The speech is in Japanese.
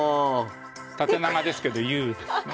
縦長ですけどＵですね。